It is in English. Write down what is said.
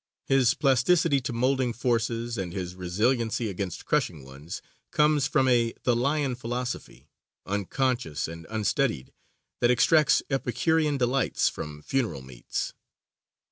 His plasticity to moulding forces and his resiliency against crushing ones come from a Thalian philosophy, unconscious and unstudied, that extracts Epicurean delights from funeral meats.